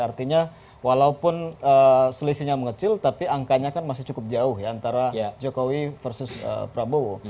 artinya walaupun selisihnya mengecil tapi angkanya kan masih cukup jauh ya antara jokowi versus prabowo